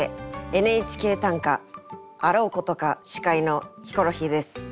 「ＮＨＫ短歌」あろうことか司会のヒコロヒーです。